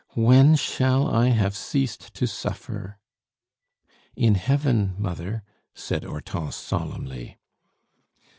When shall I have ceased to suffer?" "In heaven, mother," said Hortense solemnly.